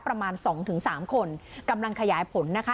ประมาณ๒๓คนกำลังขยายผลนะคะ